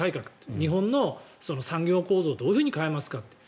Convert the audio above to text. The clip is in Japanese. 日本の産業構造をどういうふうに変えますかと。